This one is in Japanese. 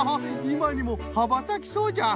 いまにもはばたきそうじゃ！